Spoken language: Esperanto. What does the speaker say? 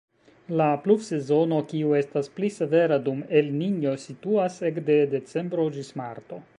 La pluvsezono, kiu estas pli severa dum El-Ninjo, situas ekde decembro ĝis marto.